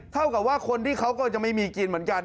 เท่ากับว่าคนที่เขาก็จะไม่มีกินเหมือนกัน